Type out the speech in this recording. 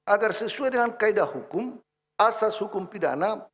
agar sesuai dengan kaedah hukum asas hukum pidana